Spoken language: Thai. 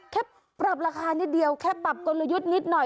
แค่ปรับราคานิดเดียวแค่ปรับกลยุทธ์นิดหน่อย